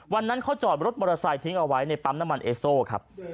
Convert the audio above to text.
วันนั้นเขาจอดรถมอเตอร์ไซค์ทิ้งเอาไว้ในปั๊มน้ำมันเอโซ่ครับ